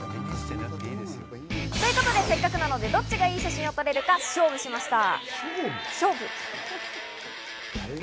ということで、せっかくなのでどっちがいい写真を撮れるか勝負しました。